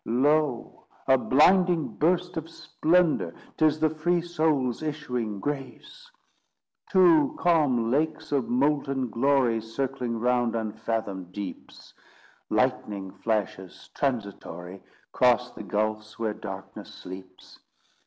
Lo, a blinding burst of splendour!— 'Tis the free soul's issuing grace. Two calm lakes of molten glory Circling round unfathomed deeps! Lightning flashes, transitory, Cross the gulfs where darkness sleeps.